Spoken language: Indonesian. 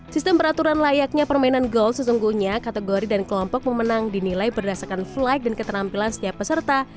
sistem peraturan layaknya permainan golf sesungguhnya kategori dan kelompok memenang dinilai berdasarkan flag dan ketenampilan setiap peserta